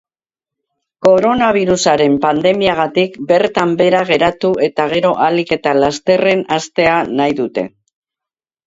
Koronabirusaren pandemiagatik bertan behera geratu eta gero ahalik eta lasterren hastea nahi dute.